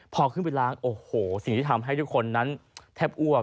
พอขึ้นไปล้างโอ้โหสิ่งที่ทำให้ทุกคนนั้นแทบอ้วก